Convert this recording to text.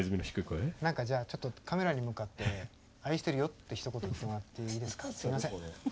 何かじゃあカメラに向かって「愛してるよ」ってひと言言ってもらっていいですかすいません。